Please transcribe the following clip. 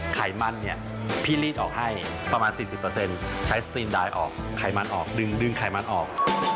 ไขมันเนี่ยพี่รีดออกให้ประมาณ๔๐ใช้สตีนดายออกไขมันออกดึงไขมันออก